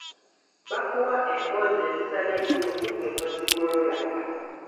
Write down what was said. Bakuwa emboozi ezitali ntuufu ggwe n'ozigolola.